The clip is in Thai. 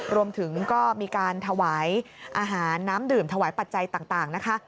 รวมถึงก็มีการถวายอาหารน้ำดื่มถวายปัจจัยต่างนะคะ